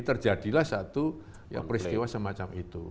terjadilah satu peristiwa semacam itu